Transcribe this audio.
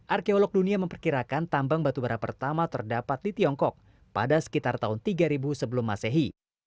arkeolog dunia memperkirakan tambang batubara pertama terdapat di tiongkok pada sekitar tahun tiga ribu sebelum masehi